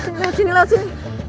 tahan tahan tahan